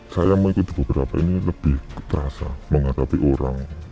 saya mengikuti beberapa ini lebih terasa menghadapi orang